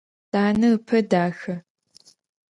Данэ ыпэ дахэ.